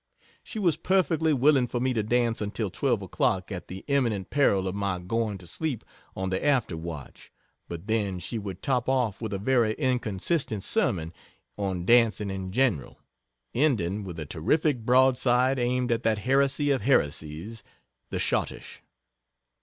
She was perfectly willing for me to dance until 12 o'clock at the imminent peril of my going to sleep on the after watch but then she would top off with a very inconsistent sermon on dancing in general; ending with a terrific broadside aimed at that heresy of heresies, the Schottische.